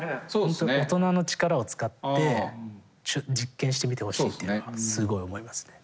大人の力を使って実験してみてほしいっていうのはすごい思いますね。